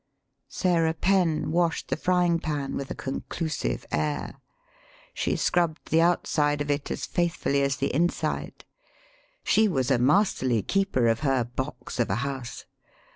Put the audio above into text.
Sarah Penn washed the frying pan with a conclusive air. She scrubbed the outside of it as faithfully as the inside. She was a masterly keeper of her box of a house.